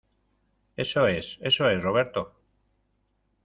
eso es. eso es, Roberto .